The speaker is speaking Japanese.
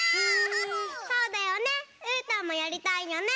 そうだよねうーたんもやりたいよね。